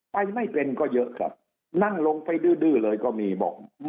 ไม่เป็นก็เยอะครับนั่งลงไปดื้อเลยก็มีบอก